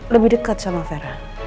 lebih deket sama vera